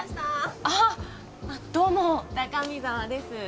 ああどうも高見沢です